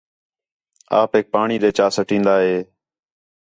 آپیک پاݨی ݙے چا سٹین٘دا ہِے